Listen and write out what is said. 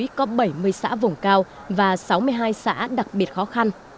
yên bái là một tỉnh miền núi có bảy mươi xã vùng cao và sáu mươi hai xã đặc biệt khó khăn